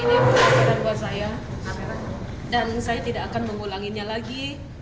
ini pelajar buat saya dan saya tidak akan mengulanginya lagi